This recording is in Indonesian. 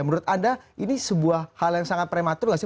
menurut anda ini sebuah hal yang sangat prematur nggak sih